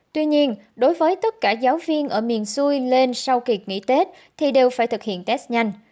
tuy nhiên đối với tất cả giáo viên ở miền xuôi lên sau kỳ nghỉ tết thì đều phải thực hiện test nhanh